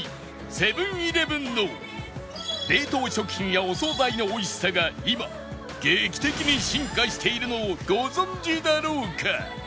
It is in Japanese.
セブン−イレブンの冷凍食品やお惣菜の美味しさが今劇的に進化しているのをご存じだろうか？